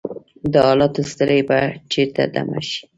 د حالاتو ستړی به چیرته دمه شي؟